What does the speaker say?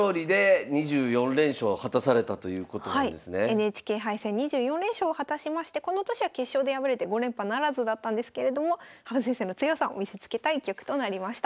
ＮＨＫ杯戦２４連勝を果たしましてこの年は決勝で敗れて５連覇ならずだったんですけれども羽生先生の強さを見せつけた一局となりました。